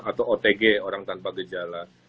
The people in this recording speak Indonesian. atau otg orang tanpa gejala